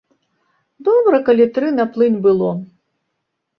Добра калі тры на плынь было.